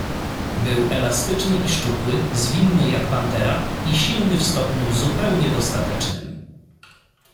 "Był elastyczny i szczupły, zwinny jak pantera, i silny w stopniu zupełnie dostatecznym."